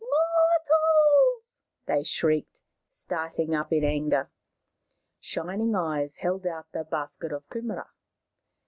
Mor tals !" they shrieked, starting up in anger. Shining Eyes held out the basket of kumaras.